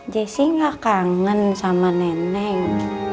jessy gak kangen sama neneng